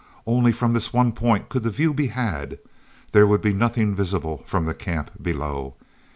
Only from this one point could the view be had—there would be nothing visible from the camp below.